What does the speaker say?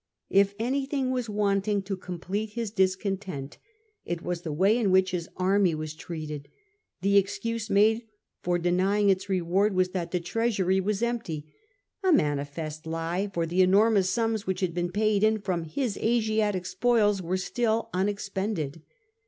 If any thing was wanting to complete his discontent, it was the way in which his army was treated ; the excuse made for denying its reward was that the treasury was empty — a manifest lie, for the enormous sums which had been paid in from his Asiatic spoils were still unexpended.